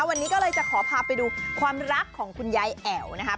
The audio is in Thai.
วันนี้ก็เลยจะขอพาไปดูความรักของคุณยายแอ๋วนะครับ